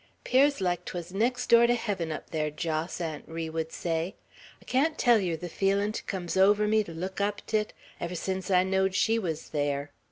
"'Pears like 'twas next door to heaven, up there, Jos," Aunt Ri would say. "I can't tell yer the feelin' 't comes over me, to look up 't it, ever sence I knowed she wuz there.